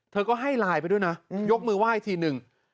เธอก็ให้ไลน์ไปด้วยนะยกมือไหว้ทีหนึ่ง